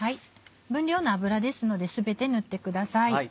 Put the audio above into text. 分量の油ですので全て塗ってください。